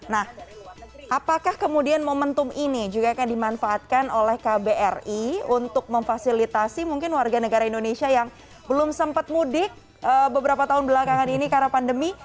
nah apakah kemudian momentum ini juga akan dimanfaatkan oleh kbri untuk memfasilitasi mungkin warga negara indonesia yang belum sempat mudik beberapa tahun belakangan ini karena pandemi